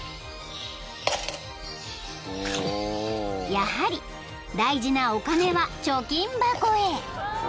［やはり大事なお金は貯金箱へ］